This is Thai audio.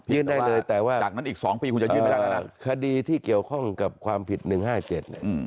ยื่นได้เลยแต่ว่าคดีที่เกี่ยวข้องกับความผิด๑๕๗เนี่ย